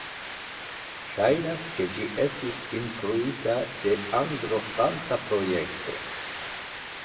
Ŝajnas ke ĝi estis influita de Anglo-franca projekto.